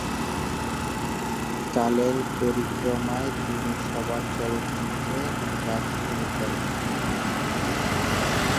কালের পরিক্রমায় তিনি সবাক চলচ্চিত্রে কাজ শুরু করেন।